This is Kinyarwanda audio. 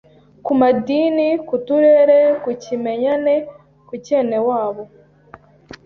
ku madini, ku turere, ku kimenyane, ku cyenewabo,